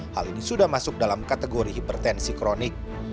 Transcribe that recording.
hal ini sudah masuk dalam kategori hipertensi kronik